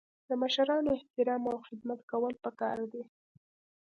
د مشرانو احترام او خدمت کول پکار دي.